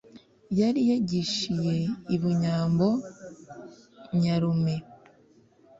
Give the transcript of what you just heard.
Yari yagishiye i Bunyambo Nyarume;